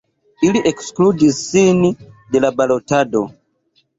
Ili ekskludis sin de la balotado.